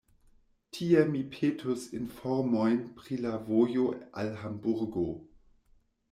Tie mi petus informojn pri la vojo al Hamburgo.